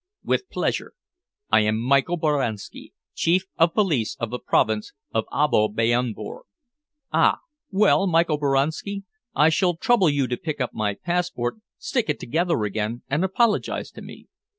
"With pleasure. I am Michael Boranski, Chief of Police of the Province of Abo Biornebourg." "Ah! Well, Michael Boranski, I shall trouble you to pick up my passport, stick it together again, and apologize to me."